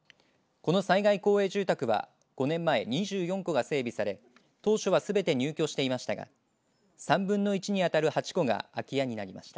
この災害公営住宅は、５年前２４戸が整備され当初はすべて入居していましたが３分の１に当たる８戸が空き家になりました。